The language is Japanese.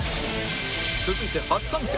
続いて初参戦